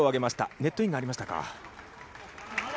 ネットインがありましたか。